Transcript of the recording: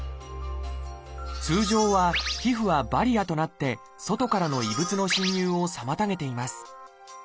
通常は皮膚はバリアとなって外からの異物の侵入を妨げています。